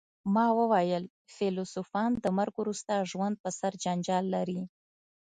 ما وویل فیلسوفان د مرګ وروسته ژوند په سر جنجال لري